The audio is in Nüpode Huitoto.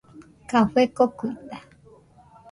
Café kokuita.